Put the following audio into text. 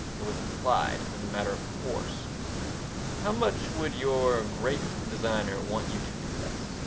It was implied, as a matter of course "How much would your great designer want you to invest?"